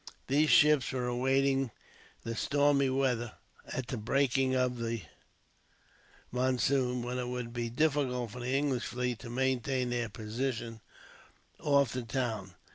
These ships were awaiting the stormy weather, at the breaking of the monsoon, when it would be difficult for the English fleet to maintain their position off the town.